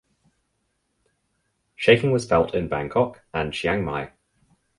Shaking was felt in Bangkok and Chiang Mai.